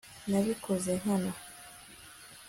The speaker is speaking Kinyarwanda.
nabikoze nkana